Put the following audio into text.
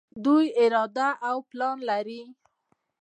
دوی اراده او پلان لري.